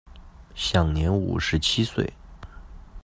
享年五十七岁。